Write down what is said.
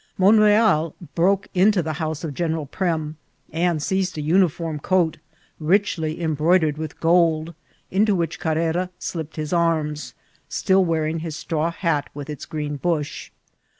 Monreal broke into the house of General Prem, and seised a uniform coat, richly embroidered with gold, into which Carrera slipped his arms, still wearing his straw hot with its green bush.